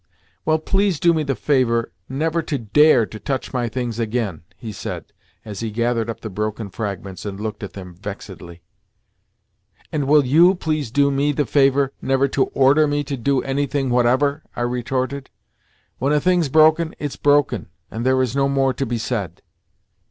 "Well, please do me the favour never to dare to touch my things again," he said as he gathered up the broken fragments and looked at them vexedly. "And will you please do me the favour never to order me to do anything whatever," I retorted. "When a thing's broken, it's broken, and there is no more to be said."